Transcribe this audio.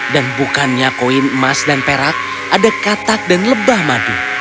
dan bukannya koin emas dan perak ada katak dan lebah madu